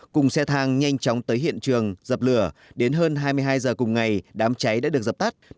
cùng xe thang nhanh chóng tới hiện trường dập lửa đến hơn hai mươi hai h cùng ngày đám cháy đã được dập tắt